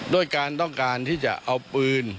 ด้วยการต้องการที่จะเอาปืน